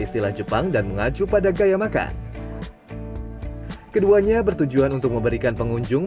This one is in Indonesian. istilah jepang dan mengacu pada gaya makan keduanya bertujuan untuk memberikan pengunjung